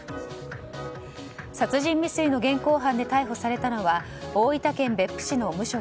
殺人未遂の現行犯で逮捕されたのは大分県別府市の無職